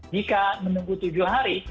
jika menunggu tujuh hari